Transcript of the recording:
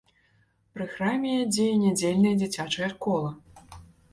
Пры храме дзее нядзельная дзіцячая школа.